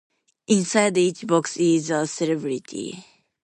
Inside each box is a celebrity.